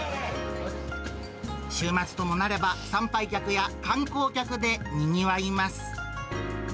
週末ともなれば、参拝客や観光客でにぎわいます。